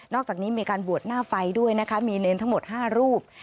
อกจากนี้มีการบวชหน้าไฟด้วยนะคะมีเนรทั้งหมด๕รูป